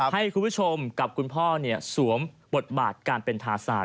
ให้คุณผู้ชมกับคุณพ่อสวมบทบาทการเป็นทาศาสต